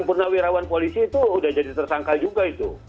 purnawirawan polisi itu sudah jadi tersangka juga itu